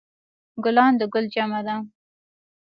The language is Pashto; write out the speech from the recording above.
ګلان د ګل جمع ده